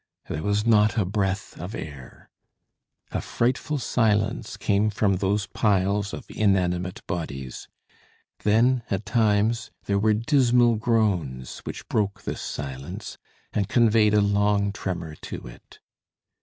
There was not a breath of air. A frightful silence came from those piles of inanimate bodies; then, at times, there were dismal groans which broke this silence, and conveyed a long tremor to it.